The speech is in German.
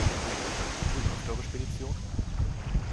Wie läuft eure Spedition?